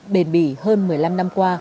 bền bỉ hơn một mươi năm năm qua